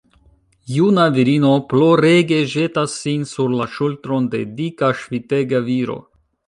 Juna virino plorege ĵetas sin sur la ŝultron de dika, ŝvitega viro.